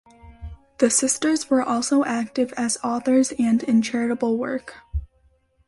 The sisters were also active as authors and in charitable work.